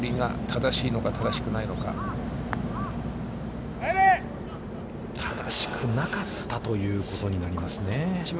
正しくなかったということになりますね。